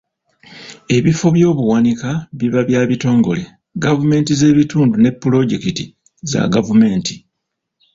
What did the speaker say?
Ebifo by'obuwanika biba bya bitongole, gavumenti z'ebitundu ne pulojekiti za gavumenti.